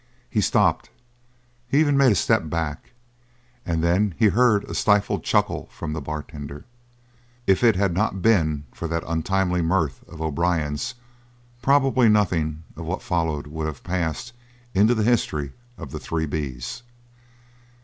He stopped; he even made a step back; and then he heard a stifled chuckle from the bartender. If it had not been for that untimely mirth of O'Brien's probably nothing of what followed would have passed into the history of the Three B's.